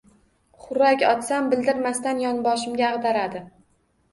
Xurrak otsam, bildirmasdan yonboshimga ag'daradi